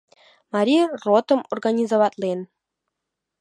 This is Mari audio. Марий ротым организоватлен.